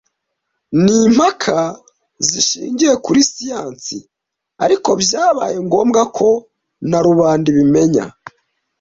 Ni impaka zishingiye kuri siyansi, ariko byabaye ngombwa ko na rubanda ibimenya